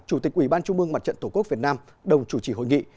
chủ tịch ủy ban trung mương mặt trận tổ quốc việt nam đồng chủ trì hội nghị